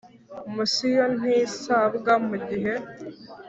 Mosiyo ntisabwa mu gihe